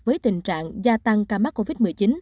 với tình trạng gia tăng ca mắc covid một mươi chín